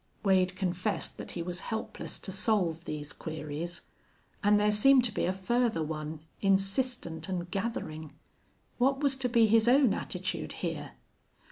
Wade confessed that he was helpless to solve these queries, and there seemed to be a further one, insistent and gathering what was to be his own attitude here?